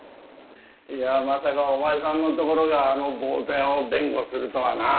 いやまさかお前さんのところがあのボート屋を弁護するとはなあ。